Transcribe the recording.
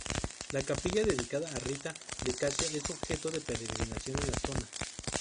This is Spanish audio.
La capilla dedicada a Rita de Casia es objeto de peregrinación en la zona.